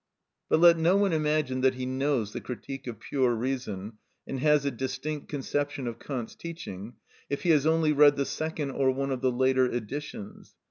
But let no one imagine that he knows the "Critique of Pure Reason" and has a distinct conception of Kant's teaching if he has only read the second or one of the later editions.